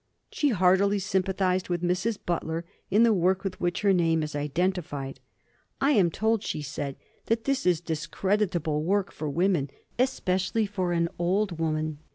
She heartily sympathised with Mrs. Butler in the work with which her name is identified. "I am told," she said, "that this is discreditable work for women, especially for an old woman.